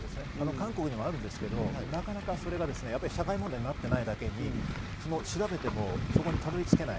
韓国にもあるんですけどなかなかそれが社会問題になってないだけに調べてもそこにたどり着けない。